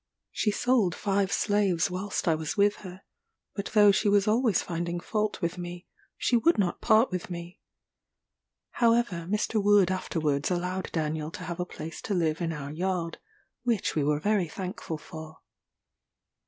She sold five slaves whilst I was with her; but though she was always finding fault with me, she would not part with me. However, Mr. Wood afterwards allowed Daniel to have a place to live in our yard, which we were very thankful for.